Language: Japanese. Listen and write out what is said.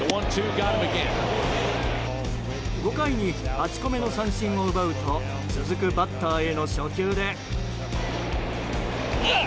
５回に８個目の三振を奪うと続くバッターへの初球で。